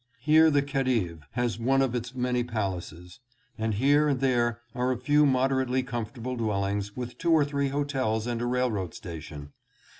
Here the Khedive has one of his many palaces, and here and there are a few moderately comfortable dwell ings with two or three hotels and a railroad station.